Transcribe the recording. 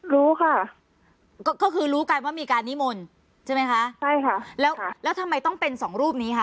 รู้ค่ะก็คือรู้กันว่ามีการนิมนต์ใช่ไหมคะใช่ค่ะแล้วแล้วทำไมต้องเป็นสองรูปนี้คะ